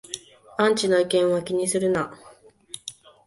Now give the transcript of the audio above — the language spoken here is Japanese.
アンチの意見は気にするな